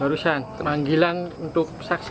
barusan manggilan untuk saksi